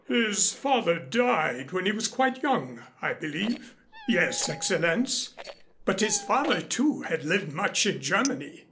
"His father died when he was quite young, I believe?" "Yes, Excellenz. But his father, too, had lived much in Germany.